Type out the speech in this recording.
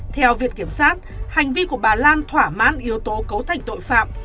theo viện kiểm sát hành vi của bà lan thỏa mãn yếu tố cấu thành tội phạm